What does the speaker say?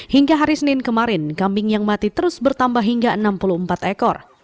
hingga hari senin kemarin kambing yang mati terus bertambah hingga enam puluh empat ekor